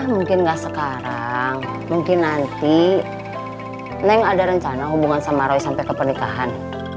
mungkin nggak sekarang mungkin nanti neng ada rencana hubungan sama roy sampai ke pernikahan